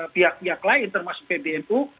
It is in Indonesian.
pihak pihak lain termasuk pbnu